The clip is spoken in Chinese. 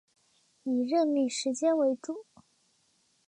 以任命时间为主